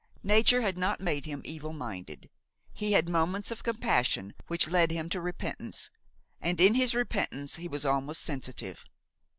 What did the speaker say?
Nature had not made him evil minded: he had moments of compassion which led him to repentance, and in his repentance he was almost sensitive.